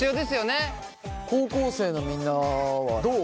高校生のみんなはどう？